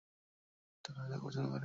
সবাই তোকে পছন্দ করবে।